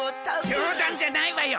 冗談じゃないわよ！